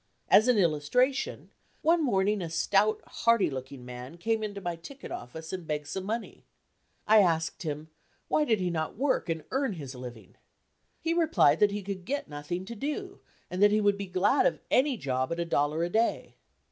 As an illustration, one morning a stout, hearty looking man, came into my ticket office and begged some money. I asked him why he did not work and earn his living? He replied that he could get nothing to do and that he would be glad of any job at a dollar a day.